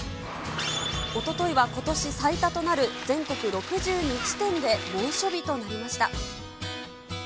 おとといはことし最多となる全国６２地点で猛暑日となりました。